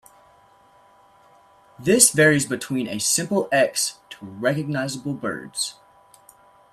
This varies between a simple X to recognizable birds.